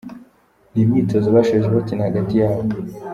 Ni imyitozo basoje bakina hagati yabo.